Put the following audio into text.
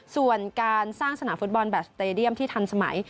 ส่วนการสร้างสนามฟุตบอลแบบสเตดียมที่ทันสมัย